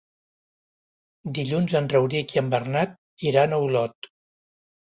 Dilluns en Rauric i en Bernat iran a Olot.